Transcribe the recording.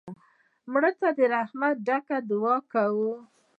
مړه ته د رحمت نه ډکه دعا کوو